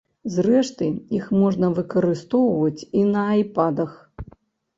Зрэшты, іх можна выкарыстоўваць і на айпадах.